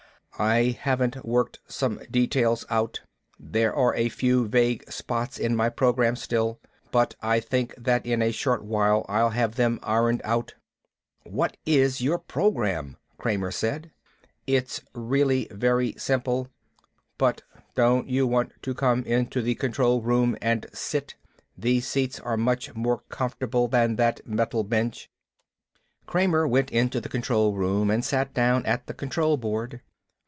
"I haven't worked some details out. There are a few vague spots in my program, still. But I think that in a short while I'll have them ironed out." "What is your program?" Kramer said. "It's really very simple. But don't you want to come into the control room and sit? The seats are much more comfortable than that metal bench." Kramer went into the control room and sat down at the control board.